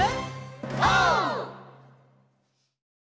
オー！